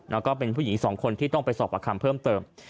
แล้วก็เป็นผู้หญิงสองคนที่ต้องไปสอบประคำเพิ่มเติม